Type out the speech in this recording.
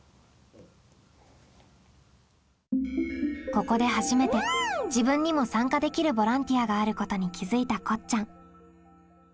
ここで初めて自分にも参加できるボランティアがあることに気づいたこっちゃん。